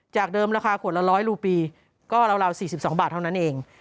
จากเดิมราคาขวดละ๑๐๐รูปีก็ราว๔๒บาทเท่านั้นเอง